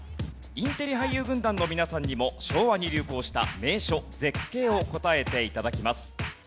インテリ俳優軍団の皆さんにも昭和に流行した名所・絶景を答えて頂きます。